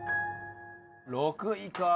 ６位かあ。